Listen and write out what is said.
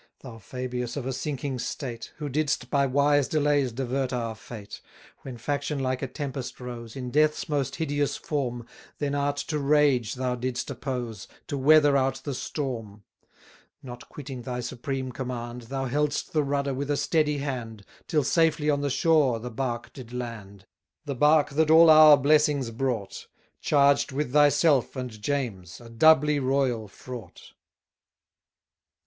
Thou Fabius of a sinking state, Who didst by wise delays divert our fate, When faction like a tempest rose, In death's most hideous form, Then art to rage thou didst oppose, To weather out the storm: Not quitting thy supreme command, Thou held'st the rudder with a steady hand, Till safely on the shore the bark did land: The bark that all our blessings brought, Charged with thyself and James, a doubly royal fraught.